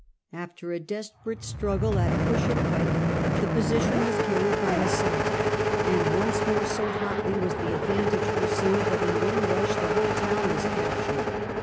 After a desperate struggle at push of pike the position was carried by assault, and once more so hotly was the advantage pursued that in one rush the whole town was captured.